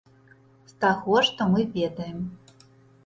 З таго, што мы ведаем.